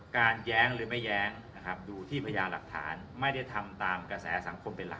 แย้งหรือไม่แย้งนะครับดูที่พญาหลักฐานไม่ได้ทำตามกระแสสังคมเป็นหลัก